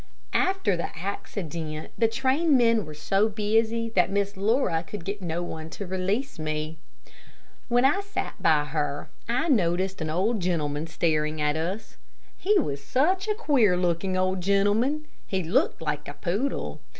After the accident, the trainmen were so busy that Miss Laura could get no one to release me. While I sat by her, I noticed an old gentleman staring at us. He was such a queer looking old gentleman. He looked like a poodle.